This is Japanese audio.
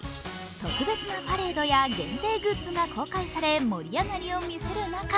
特別なパレードや限定グッズが公開され、盛り上がりを見せる中